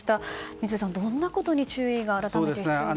三井さん、どんなことに注意が改めて必要でしょうか。